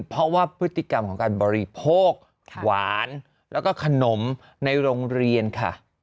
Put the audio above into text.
เพราะว่าพฤติกรรมของการบริโภคหวานแล้วก็ขนมในโรงเรียนค่ะ